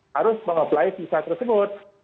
harus meng apply visa tersebut